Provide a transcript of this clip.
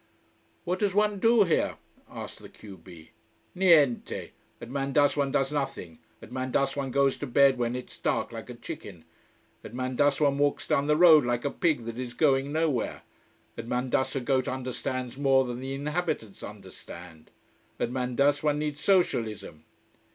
"What does one do here?" asked the q b. "Niente! At Mandas one does nothing. At Mandas one goes to bed when it's dark, like a chicken. At Mandas one walks down the road like a pig that is going nowhere. At Mandas a goat understands more than the inhabitants understand. At Mandas one needs socialism...."